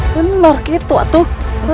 benar gitu atuh